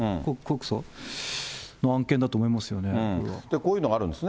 こういうのがあるんですね。